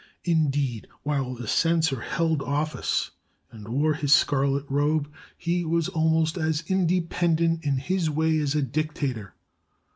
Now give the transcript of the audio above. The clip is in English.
Indeed, while the censor held office and wore his scarlet robe, he was almost as independent in his way as a dictator.